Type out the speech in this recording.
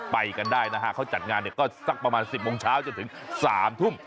ไปกันได้นะฮะเขาจัดงานเนี่ยก็สักประมาณ๑๐โมงเช้าจนถึง๓ทุ่ม